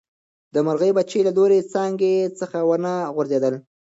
د مرغۍ بچي له لوړې څانګې څخه ونه غورځېدل.